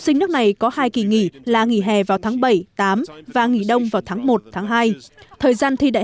sinh nước này có hai kỳ nghỉ là nghỉ hè vào tháng bảy tám và nghỉ đông vào tháng một hai thời gian thi đại